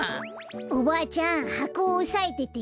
おばあちゃんはこおさえてて。